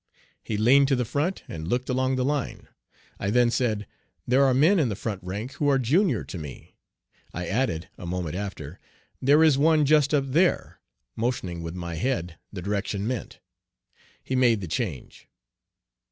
He leaned to the front and looked along the line. I then said, "There are men in the front rank who are junior to me." I added, a moment after, "There is one just up there," motioning with my head the direction meant. He made the change.